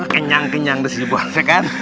kenyang kenyang di sini bos ya kan